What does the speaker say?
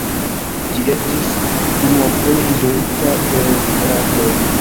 Ĝi estis unuafoje izolita el ratoj.